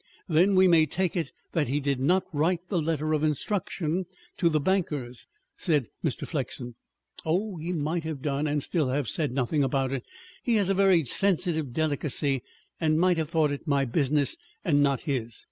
"Then we may take it that he did not write the letter of instruction to the bankers," said Mr. Flexen. "Oh, he might have done and still have said nothing about it. He has a very sensitive delicacy and might have thought it my business and not his.